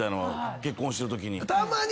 結婚してるときに。